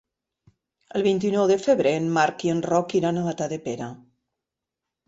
El vint-i-nou de febrer en Marc i en Roc iran a Matadepera.